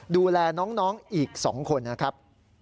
ดูแลน้องอีก๒คนนะครับ